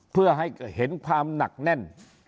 เพื่อให้เห็นความหนักแน่น